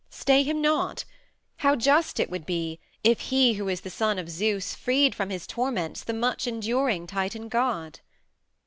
Stay him not! How just it would be if he who is the son of Zeus freed from his torments the much enduring Titan god!"